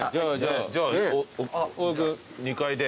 じゃあ２階で。